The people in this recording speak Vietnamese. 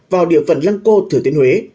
vào điều phần lăng cô thừa thiên huế